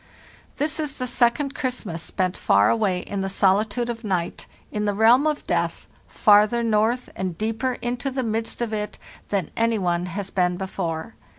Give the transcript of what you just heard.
"This is the second Christmas spent far away in the solitude of night, in the realm of death, farther north and deeper into the midst of it than any one has been before.